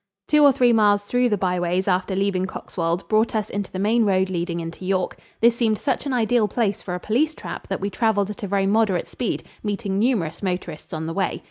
Two or three miles through the byways after leaving Coxwold brought us into the main road leading into York. This seemed such an ideal place for a police trap that we traveled at a very moderate speed, meeting numerous motorists on the way.